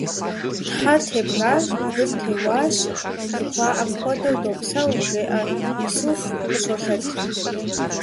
Тхьэр тебгащ, бгыр теуащ, жыхуаӀэм хуэдэу допсэу, – жеӀэ Исуф къыщолъэтри.